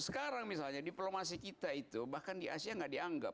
sekarang misalnya diplomasi kita itu bahkan di asia nggak dianggap